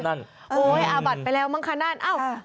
สีกานะครับนั่น